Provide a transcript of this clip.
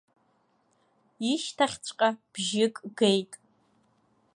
Ишьҭахьҵәҟьа бжьык геит.